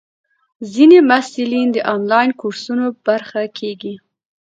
ځینې محصلین د انلاین کورسونو برخه کېږي.